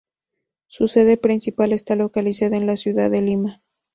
Su sede principal está localizada en la ciudad de Lima.